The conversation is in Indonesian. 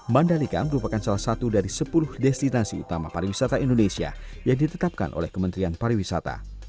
mandalika merupakan salah satu dari sepuluh destinasi utama pariwisata indonesia yang ditetapkan oleh kementerian pariwisata